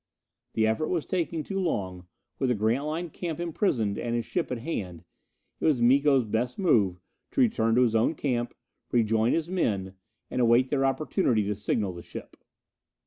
The effort was taking too long: with the Grantline camp imprisoned and his ship at hand, it was Miko's best move to return to his own camp, rejoin his men, and await their opportunity to signal the ship.